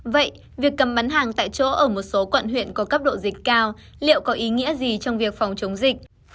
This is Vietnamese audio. vậy việc cầm bán hàng tại chỗ ở một số quận huyện có cấp độ dịch cao liệu có ý nghĩa gì trong việc phòng chống dịch